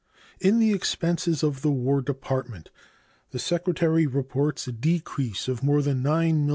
In the expenses of the War Department the Secretary reports a decrease of more than $9,000,000.